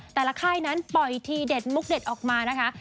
ค่ายนั้นปล่อยทีเด็ดมุกเด็ดออกมานะคะ